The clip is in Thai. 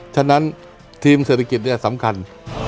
ฉะนั้นทีมเศรษฐกิจเนี่ยสำคัญ